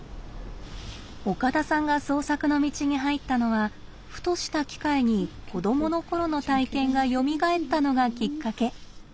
岡田さんが創作の道に入ったのはふとした機会に子どもの頃の体験がよみがえったのがきっかけ。